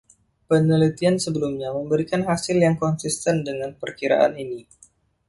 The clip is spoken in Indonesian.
Penelitian sebelumnya memberikan hasil yang konsisten dengan perkiraan ini.